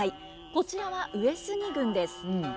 こちらは上杉軍です。